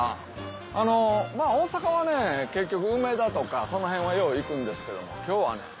あの大阪はね結局梅田とかその辺はよう行くんですけども今日はね